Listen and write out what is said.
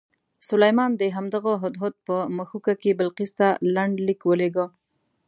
سلیمان د همدغه هدهد په مښوکه کې بلقیس ته لنډ لیک ولېږه.